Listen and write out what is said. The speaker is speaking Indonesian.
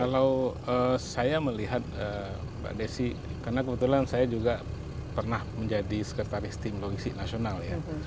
kalau saya melihat mbak desi karena kebetulan saya juga pernah menjadi sekretaris tim logistik nasional ya